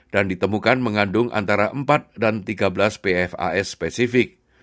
dan ditemukan mengandung antara empat dan tiga belas pfas spesifik